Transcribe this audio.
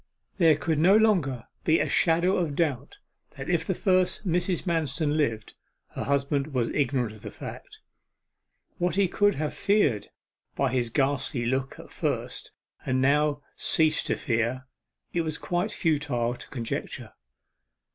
There could no longer be a shadow of doubt that if the first Mrs. Manston lived, her husband was ignorant of the fact. What he could have feared by his ghastly look at first, and now have ceased to fear, it was quite futile to conjecture.